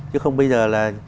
chứ không bây giờ là